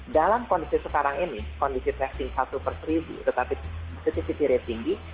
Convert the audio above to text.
dalam kondisi sekarang ini kondisi testing satu per seribu tetapi positivity rate tinggi